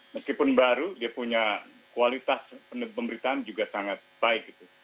meskipun baru dia punya kualitas pemberitaan juga sangat baik gitu